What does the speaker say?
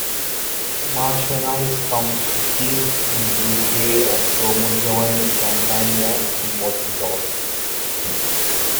Marcianise comes fifteenth in Group A of Promozione Campania and was dissolved.